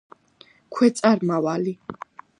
ქვეწარმავალი